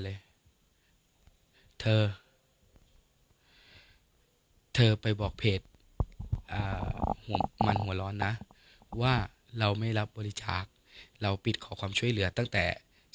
เลยเขาไปบอกเพจมานะว่าเราไม่รับบริชาคเลยตั้งแต่๒๐๐๐๐